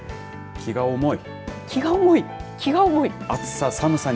気が重い。